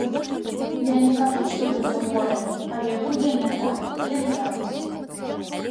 Я не кажу, што будзе горай, але будзе не так, як зараз.